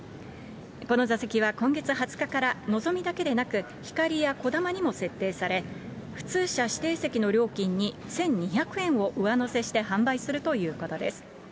この座席は今月２０日から、のぞみだけでなく、ひかりやこだまにも設定され、普通車指定席の料金に１２００円を上乗せして販売するということです。